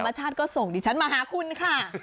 ชาติก็ส่งดิฉันมาหาคุณค่ะ